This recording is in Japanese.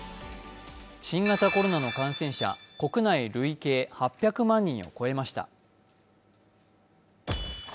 新型コロナの感染者、国内累計８００万人を超えました。